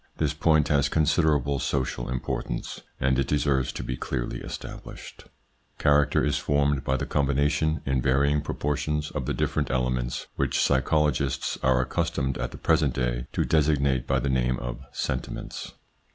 This point has considerable social importance, and it deserves to be clearly established. Character is formed by the combination, in varying proportions, of the different elements which psycho logists are accustomed at the present day to designate by the name of sentiments.